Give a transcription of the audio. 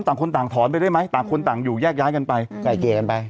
ต่างคนต่างถอนไปได้ไหมต่างคนต่างอยู่แยกย้ายกันไปไก่เกลียกันไป